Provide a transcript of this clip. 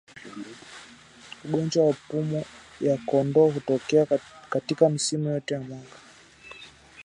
Ugonjwa wa pumu ya kondoo hutokea katika misimu yote ya mwaka